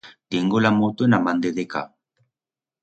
Tiengo la moto en a man de decá.